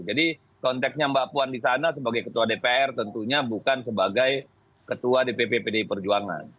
jadi konteksnya mbak puan di sana sebagai ketua dpr tentunya bukan sebagai ketua dpp pdi perjuangan